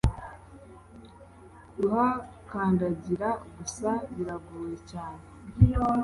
kuhakandagira gusa biragoye cyane